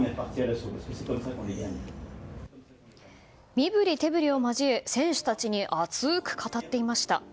身振り手振りを交え選手たちに熱く語っていました。